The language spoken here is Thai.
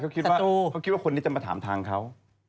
เค้าคิดว่าคนนี้จะมาถามทางเค้า